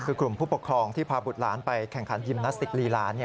คุณผู้ปกครองที่พาบุตรล้านไปแข่งขันยิมนาสติกรีล้าน